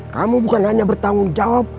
kamu bukan hanya bertanggung jawab